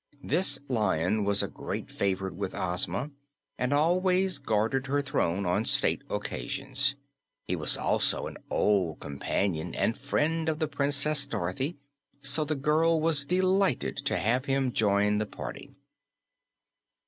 This Lion was a great favorite with Ozma and always guarded her throne on state occasions. He was also an old companion and friend of the Princess Dorothy, so the girl was delighted to have him join the party.